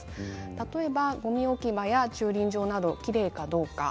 例えば、ごみ置き場や駐輪場などきれいかどうか。